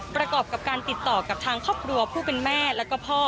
ประกอบกับการติดต่อกับทางครอบครัวผู้เป็นแม่แล้วก็พ่อ